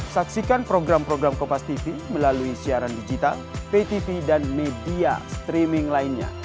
saksikan program program kompastv melalui siaran digital ptv dan media streaming lainnya